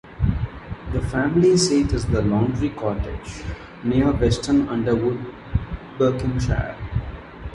The family seat is The Laundry Cottage, near Weston Underwood, Buckinghamshire.